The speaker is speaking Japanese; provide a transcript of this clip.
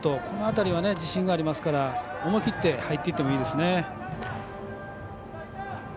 この辺りは自信がありますから思い切って入っていってもいいですね。